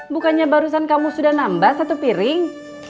bukannya barusan kamu sudah nambah satu piring